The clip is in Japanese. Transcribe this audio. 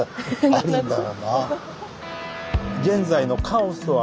あるんだもんな。